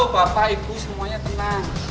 bapak ibu semuanya tenang